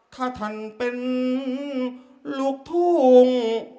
ถ้าท่านเป็นลูกทุ่ง